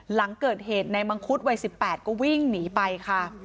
หลังเกิดเหตุในมังคุดวัย๑๘ก็วิ่งหนีไปค่ะ